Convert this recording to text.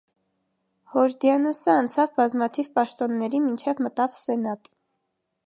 Հորդիանոսը անցավ բազմաթիվ պաշտոնների մինչև մտավ սենատ։